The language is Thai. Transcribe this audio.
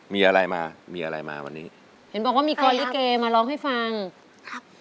มีอะไรมามีอะไรมาวันนี้เห็นบอกว่ามีกรลิเกมาร้องให้ฟังครับ